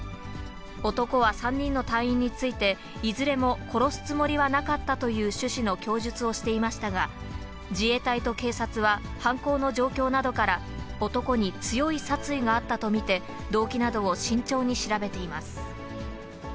男は３人の隊員について、いずれも殺すつもりはなかったという趣旨の供述をしていましたが、自衛隊と警察は犯行の状況などから、男に強い殺意があったと見て、動機などを慎重に調べています。